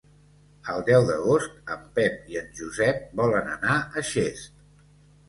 El deu d'agost en Pep i en Josep volen anar a Xest.